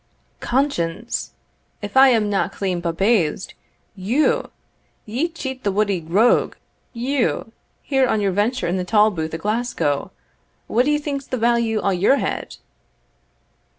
"Conscience! if I am na clean bumbaized you, ye cheat the wuddy rogue you here on your venture in the tolbooth o' Glasgow? What d'ye think's the value o' your head?"